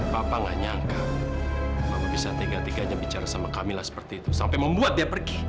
papa nggak nyangka mama bisa tiga tiganya bicara sama kamila seperti itu sampai membuat dia pergi